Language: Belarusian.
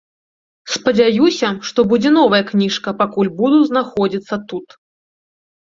Спадзяюся, што будзе новая кніжка, пакуль буду знаходзіцца тут.